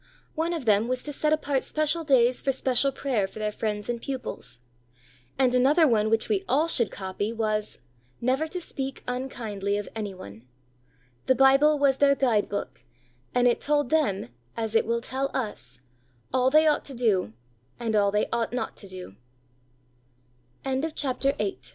One of them was to set apart special days for special prayer for their friends and pupils. And another one which we all should copy was: NEVER TO SPEAK UNKINDLY OF ANY ONE. The Bible was their Guide Book, and it told them, as it will tell us, all they ought to do, and all they ought not to do. CHAPTER IX. A long walk.